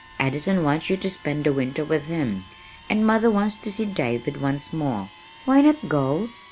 Addison wants you to spend the winter with him, and mother wants to see David once more why not go?